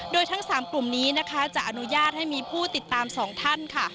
โดยทั้ง๓กลุ่มนี้นะคะจะอนุญาตให้มีผู้ติดตาม๒ท่านค่ะ